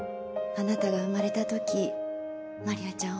あなたが生まれた時マリアちゃん